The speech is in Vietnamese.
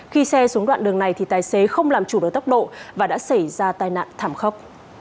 khi xe xuống đoạn đường này thì tài xế không làm chủ được tốc độ và đã xảy ra tai nạn thảm khốc